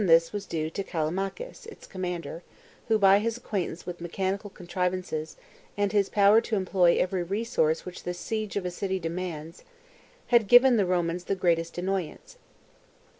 2 5 this was due to Callimachus, its commander, who, by his acquaintance with mechanical contrivances and his power to employ every resource which the siege of a city demands, had given the Romans the greatest annoyance.